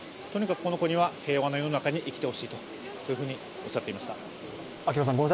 とにかくこの子には平和な世の中に生きてほしいとおっしゃってました。